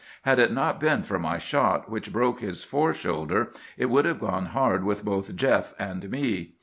Had it not been for my shot, which broke his fore shoulder, it would have gone hard with both Jeff and me.